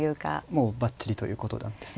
もうバッチリということなんですね。